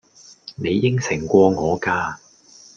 你應承過我㗎